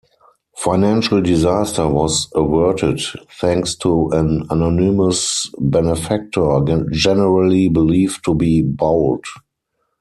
Financial disaster was averted thanks to an anonymous benefactor, generally believed to be Boult.